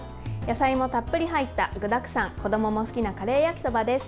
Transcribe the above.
野菜もたっぷり入った具だくさん子どもも好きなカレー焼きそばです。